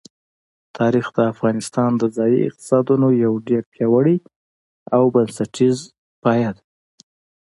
تاریخ د افغانستان د ځایي اقتصادونو یو ډېر پیاوړی او بنسټیز پایایه دی.